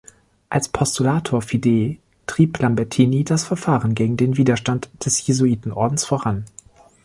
Als Postulator fidei trieb Lambertini das Verfahren gegen den Widerstand des Jesuitenordens voran.